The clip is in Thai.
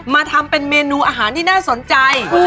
มาทำเป็นเมนูอาหารที่น่าสนใจ